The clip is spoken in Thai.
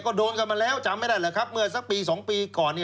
ก็โดนกันมาแล้วจำไม่ได้แหละครับเมื่อสักปี๒ปีก่อน